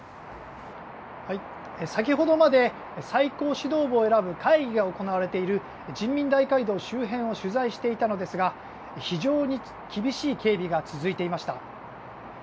先ほどまで最高指導部を選ぶ会議が行われている人民大会堂周辺を取材していたのですが非常に厳しい警備が続いていました。